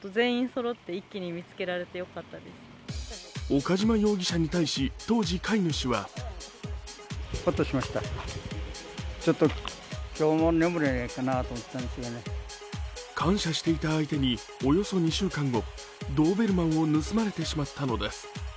岡島容疑者に対し、当時飼い主は感謝していた相手におよそ２週間後、ドーベルマンを盗まれてしまったのです。